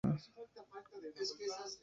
Ha ganado dos veces el premio Ben Hogan.